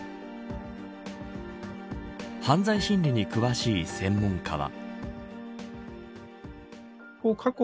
犯罪心理に詳しい専門家は。